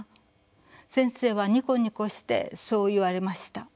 先生はニコニコしてそう言われました。